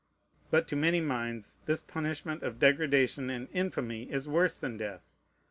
But to many minds this punishment of degradation and infamy is worse than death.